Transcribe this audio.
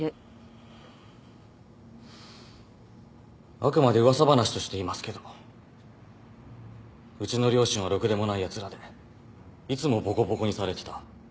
あくまで噂話として言いますけどうちの両親はろくでもないやつらでいつもボコボコにされてた。